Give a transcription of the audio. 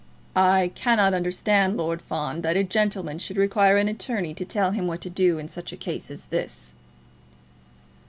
"I cannot understand, Lord Fawn, that a gentleman should require an attorney to tell him what to do in such a case as this."